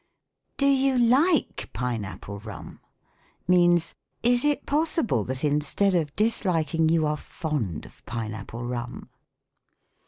" Do you like pine apple rum ?" means, " Is it pos sible that instead of disliking, you are fond of pine apple rum